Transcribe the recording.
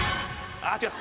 あっ違う！